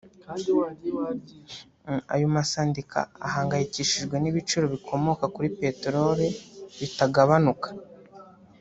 Ayo masendika ahangayikishijwe n’ibiciro bikomoka kuri peteroli bitagabanuka